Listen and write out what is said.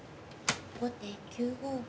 後手９五歩。